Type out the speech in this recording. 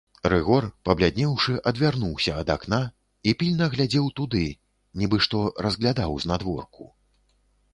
Рыгор, пабляднеўшы, адвярнуўся да акна і пільна глядзеў туды, нібы што разглядаў знадворку.